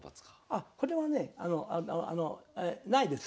あこれはねないです。